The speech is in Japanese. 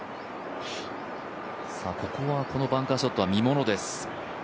このバンカーショットは見ものです。